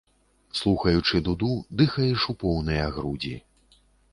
Слухаючы дуду, дыхаеш у поўныя грудзі.